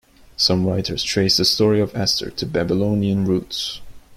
Some writers trace the story of Esther to Babylonian roots.